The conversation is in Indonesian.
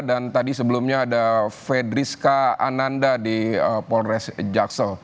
dan tadi sebelumnya ada fedrisca ananda di polres jaksel